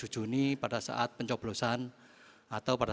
dua puluh juni pada saat pencoblosan atau pada